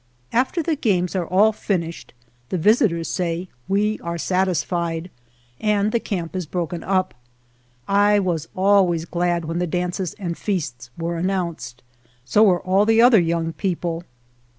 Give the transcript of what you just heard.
After the games are all finished the vis itors say, " We are satisfied," and the camp is broken up. I was always glad when the dances and feasts were announced. So were all the other young people.